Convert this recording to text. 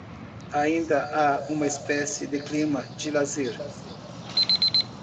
Ainda há uma espécie de clima de lazer